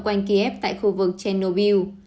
quanh kiev tại khu vực chernobyl